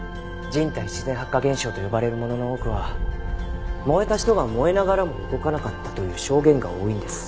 人体自然発火現象と呼ばれるものの多くは燃えた人が燃えながらも動かなかったという証言が多いんです。